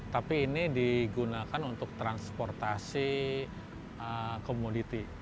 tapi ini digunakan untuk transportasi komoditi